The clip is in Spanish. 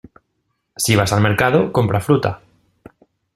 Si vas al mercado, compra fruta.